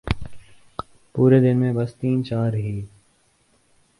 پورے دن میں بس تین چار ہی ۔